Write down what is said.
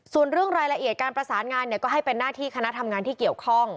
ส่วนเรื่องรายละเอียดการประสานงานก็ให้เป็นหน้าที่คณะทำงานที่เกี่ยวข้อง